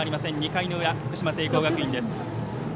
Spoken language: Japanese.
２回の裏、福島・聖光学院です。